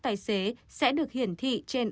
tài xế sẽ được hiển thị trên